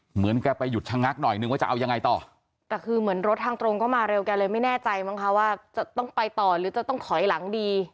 เหมือนแกไปหยุดชะงักหน่อยนึงว่าจะเอายังไงต่อแต่คือเหมือนรถทางตรงก็มาเร็วแกเลยไม่แน่ใจมั้งคะว่าจะต้องไปต่อหรือจะต้องถอยหลังดี